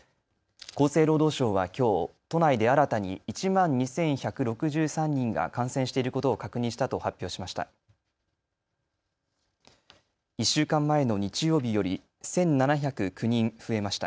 厚生労働省はきょう都内で新たに１万２１６３人が感染していることを確認したと発表しました。